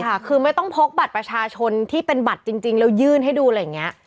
ค่ะคือไม่ต้องพกบัตรประชาชนที่เป็นบัตรจริงแล้วยื่นให้ดูอะไรอย่างนี้